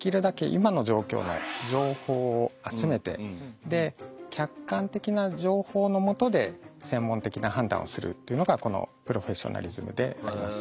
今の状況の情報を集めてで客観的な情報のもとで専門的な判断をするというのがこのプロフェッショナリズムであります。